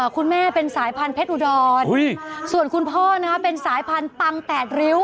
คุณแม่เป็นสายพันธุเพชรอุดรส่วนคุณพ่อเป็นสายพันธุ์ปังแปดริ้ว